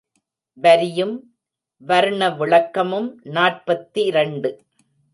வரியும் வர்ண விளக்கமும் நாற்பத்திரண்டு.